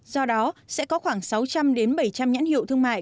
do đó sẽ có khoảng sáu trăm linh bảy trăm linh nhãn hiệu thương mại